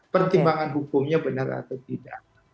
pertimbangan hukumnya benar atau tidak